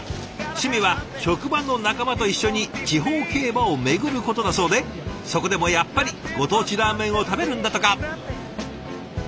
趣味は職場の仲間と一緒に地方競馬を巡ることだそうでそこでもやっぱりご当地ラーメンを食べるんだとか。